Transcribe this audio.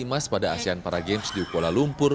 emas pada asean paragames di ukola lumpur